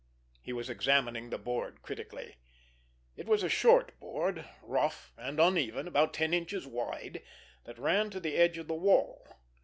He was examining the board critically. It was a short board, rough and uneven, about ten inches wide, that ran to the edge of the wall.